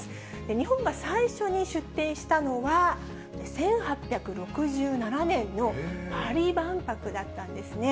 日本が最初に出展したのは、１８６７年のパリ万博だったんですね。